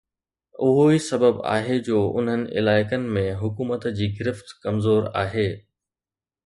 اهو ئي سبب آهي جو انهن علائقن ۾ حڪومت جي گرفت ڪمزور آهي